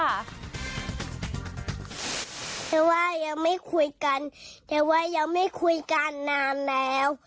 เพราะว่ายังไม่คุยกันแต่ว่ายังไม่คุยกันนานแล้ว